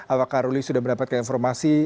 apakah ruli sudah mendapatkan informasi